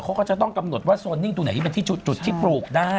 เขาก็จะต้องกำหนดว่าโซนนิ่งตรงไหนที่เป็นที่จุดที่ปลูกได้